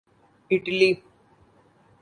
Italy